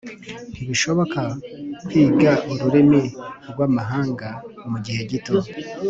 Ntibishoboka kwiga ururimi rwamahanga mugihe gito